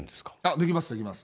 できます、できます。